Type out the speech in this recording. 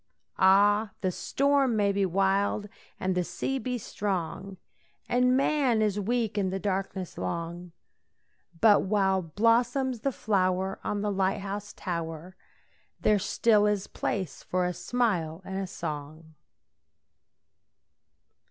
Ah, the storm may be wild and the sea be strong, And man is weak and the darkness long, But while blossoms the flower on the light house tower There still is place for a smile and a song.